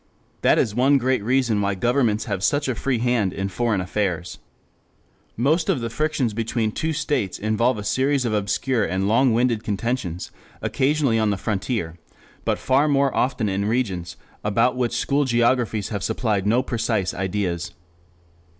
That is one great reason why governments have such a free hand in foreign affairs. Most of the frictions between two states involve a series of obscure and long winded contentions, occasionally on the frontier, but far more often in regions about which school geographies have supplied no precise ideas.